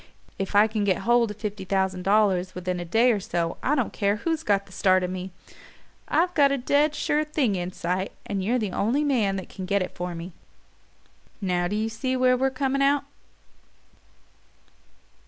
If I can get hold of fifty thousand dollars within a day or so I don't care who's got the start of me. I've got a dead sure thing in sight, and you're the only man that can get it for me. Now do you see where we're coming out?"